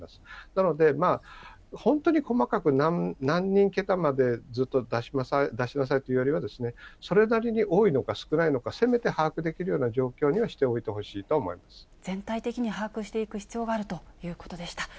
なので、本当に細かく、何人桁までずっと出しなさいと言われるよりは、それなりに多いのか、少ないのか、せめて把握できるような状況にはしておいてほし全体的に把握していく必要があるということでした。